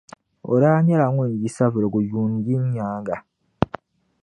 O nyɛla ŋun daa yi Savelugu yuuni yini nyaaŋa.